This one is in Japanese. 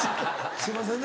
すいませんね。